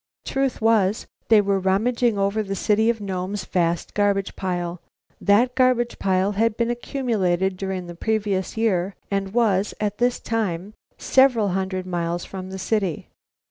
Truth was, they were rummaging over the city of Nome's vast garbage pile. That garbage pile had been accumulated during the previous year, and was, at this time, several hundred miles from the city.